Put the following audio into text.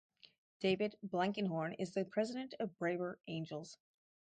David Blankenhorn is the president of Braver Angels.